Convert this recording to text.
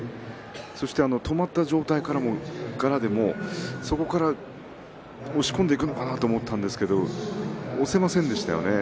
そして止まった状態からもそこから押し込んでいくのかなと思ったんですけど押せませんでしたね。